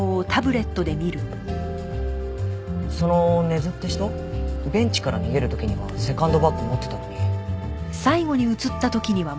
その根津って人ベンチから逃げる時にはセカンドバッグ持ってたのに。